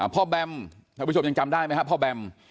แบมท่านผู้ชมยังจำได้ไหมครับพ่อแบม